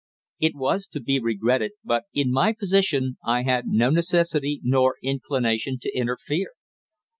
It was to be regretted, but in my position I had no necessity nor inclination to interfere.